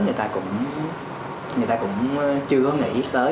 người ta cũng chưa có nghĩ tới